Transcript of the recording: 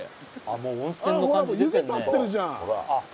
もう湯気立ってるじゃん